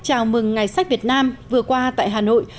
chào mừng ngày sách việt nam vừa qua tại hà nội